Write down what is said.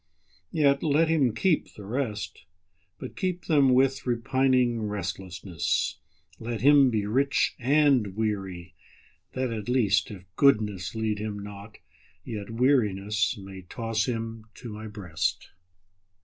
Yet let him keep the rest, But keep them with repining restlessness; Let him be rich and weary, that at least, If goodness lead him not, yet wearinessMay toss him to My breast.